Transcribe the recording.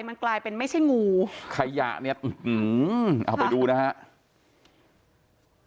มันกลายเป็นไม่ใช่งูขยะเนี่ยเอาไปดูนะฮะ